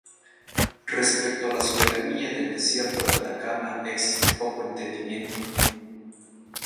Respecto a la soberanía del desierto de Atacama, existe poco entendimiento.